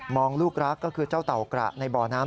องลูกรักก็คือเจ้าเต่ากระในบ่อน้ำ